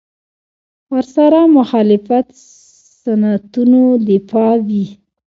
ورسره مخالفت سنتونو دفاع وي.